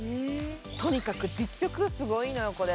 とにかく実力がすごいのよ、これ。